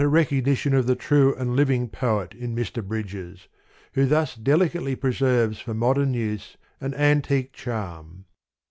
recognition of the true and living poet in Mr. Bridges, who thus delicately preserves for modern use an antique charm.